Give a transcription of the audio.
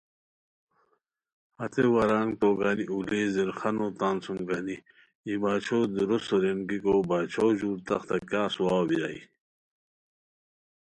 ہتے ورانگ توگانی اولی زیرخانو تان سوم گانی ای باچھو دورو سورین گیکو باچھو ژور تختہ کیاغ سواؤ بیرائے،